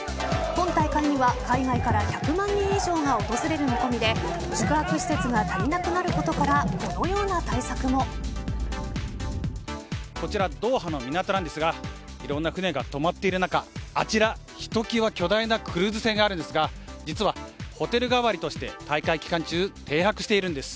今大会には海外から１００万人以上が訪れる見込みで宿泊施設が足りなくなることからこちら、ドーハの港なんですがいろんな船が止まっている中あちら、ひときわ巨大なクルーズ船があるんですが実はホテル代わりとして大会期間中、停泊しているんです。